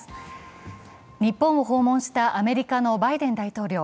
日本を訪問したアメリカのバイデン大統領。